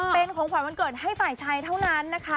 เป็นของขวัญวันเกิดให้ฝ่ายชายเท่านั้นนะคะ